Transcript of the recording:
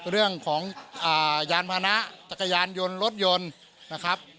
เรื่องของยานพานะจักรยานยนต์รถยนต์นะครับ